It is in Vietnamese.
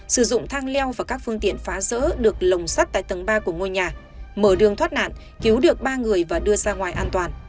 sử dụng thang leo và các phương tiện phá rỡ được lồng sắt tại tầng ba của ngôi nhà mở đường thoát nạn cứu được ba người và đưa ra ngoài an toàn